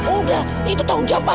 udah itu tahu jambah